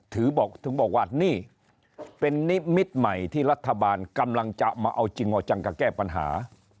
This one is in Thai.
บอกถึงบอกว่านี่เป็นนิมิตรใหม่ที่รัฐบาลกำลังจะมาเอาจริงเอาจังกับแก้ปัญหา